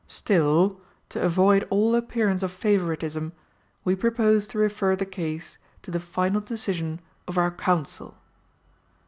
Still, to avoid all appearance of favouritism, we propose to refer the case to the final decision of our Council."